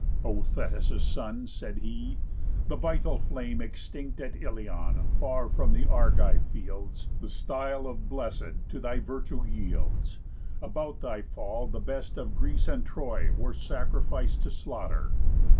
"O Thetis' son," said he, "the vital flame Extinct at Ilion, far from th' Argive fields, The style of Blessed to thy virtue yields. About thy fall the best of Greece and Troy Were sacrific'd to slaughter.